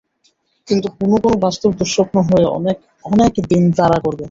কিন্তু কোনো কোনো বাস্তব দুঃস্বপ্ন হয়ে অনেক অনেক দিন তাড়া করবে।